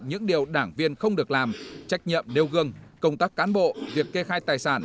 những điều đảng viên không được làm trách nhiệm nêu gương công tác cán bộ việc kê khai tài sản